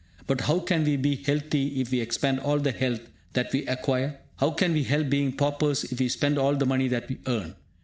But how can we be healthy if we expend all the health that we acquire? How can we help being paupers if we spend all the money that we earn?